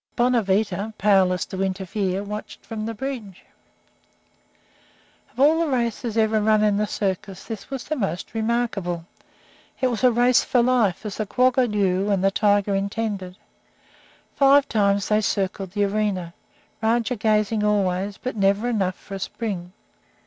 Bonavita, powerless to interfere, watched from the bridge. [Illustration: THE TIGER "RAJAH" KICKED BY THE QUAGGA.] Of all races ever run in a circus this was the most remarkable. It was a race for life, as the quagga knew and the tiger intended. Five times they circled the arena, Rajah gaining always, but never enough for a spring.